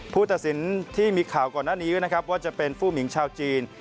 ผู้ตัดสินที่มีข่าวก่อนหน้านี้นะครับว่าจะเป็นผู้หมิงชาวจีน